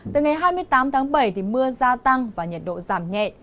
từ ngày hai mươi tám tháng bảy mưa gia tăng và nhiệt độ giảm nhẹ